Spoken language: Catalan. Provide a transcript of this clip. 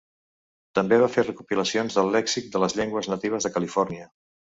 També va fer recopilacions del lèxic de les llengües natives de Califòrnia.